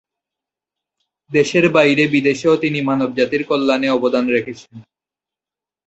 দেশের বাইরে বিদেশেও তিনি মানবজাতির কল্যাণে অবদান রেখেছেন।